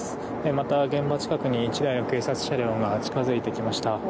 また現場近くに１台の警察車両が近づいてきました。